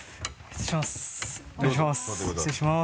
失礼します。